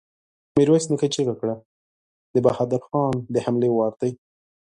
ميرويس نيکه چيغه کړه! د بهادر خان د حملې وار دی!